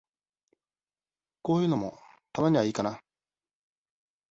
こういうのも、たまにはいいかな。